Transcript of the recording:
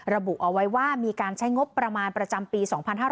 ระบุเอาไว้ว่ามีการใช้งบประมาณประจำปี๒๕๕๙